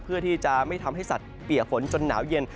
เพื่อที่จะไม่ทำให้สัตว์เปียกฝนจนหนาวเย็น